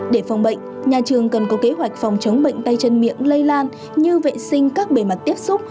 để phòng bệnh nhà trường cần có kế hoạch phòng chống bệnh tay chân miệng lây lan như vệ sinh các bề mặt tiếp xúc